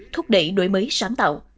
thúc đẩy đổi mới sáng tạo